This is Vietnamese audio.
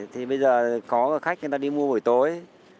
thì bây giờ có khách người ta đi mua buổi tối